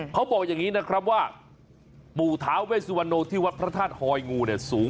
เขาบอกอย่างนี้นะครับว่าปู่ท้าเวสุวรรณโนที่วัดพระธาตุฮอยงูเนี่ยสูง